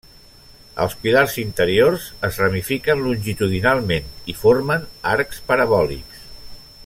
Els pilars interiors es ramifiquen longitudinalment i formen arcs parabòlics.